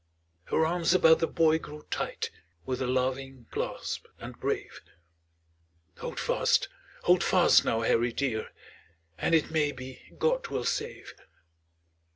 Her arms about the boy grew tight, With a loving clasp, and brave; "Hold fast! Hold fast, now, Harry dear, And it may be God will save."